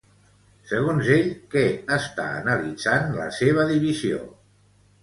Segons ell, què està analitzant la seva divisió?